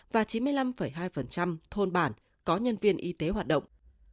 và chín mươi năm hai thôn bản có nhân viên y tế hoạt động